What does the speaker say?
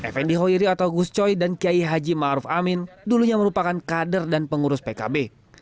fnd hoiri atau gus coy dan kiai haji ⁇ maruf ⁇ amin dulunya merupakan kader dan pengurus pkb